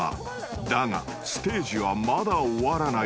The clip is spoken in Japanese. ［だがステージはまだ終わらない］